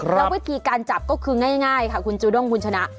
แล้ววิธีการจับก็คือง่ายค่ะคุณจูด้งคุณชนะ